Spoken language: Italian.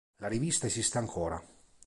La Rivista esiste ancora.